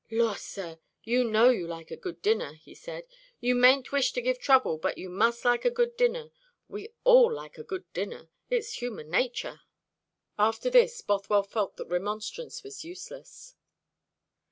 "Lor, sir, you know you like a good dinner," he said. "You mayn't wish to give trouble; but you must like a good dinner. We all like a good dinner. It's human nature." After this Bothwell felt that remonstrance was useless.